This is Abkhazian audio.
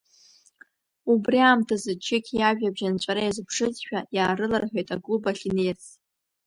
Убри аамҭазы Чықь иажәабжь анҵәара иазԥшызшәа иаарыларҳәеит аклуб ахь инеирц.